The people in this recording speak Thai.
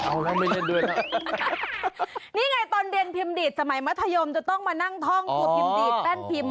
ถ้าพูดถึงตัวย่อสิทธิ์ที่จะนึกถึงสิ่งนี้